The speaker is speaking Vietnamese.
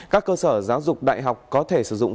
các cơ sở giáo dục đại học có thể sử dụng